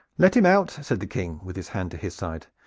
"Let him out!" said the King, with his hand to his side.